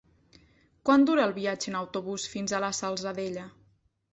Quant dura el viatge en autobús fins a la Salzadella?